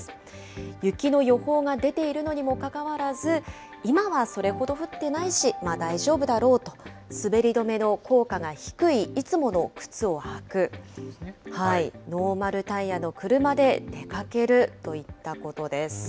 雪の予報が出ているのにもかかわらず、今はそれほど降ってないし、大丈夫だろうと、滑り止めの効果が低いいつもの靴を履く、ノーマルタイヤの車で出かけるといったことです。